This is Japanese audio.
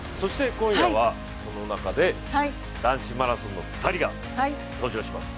今夜はその中で男子マラソンの２人が登場します。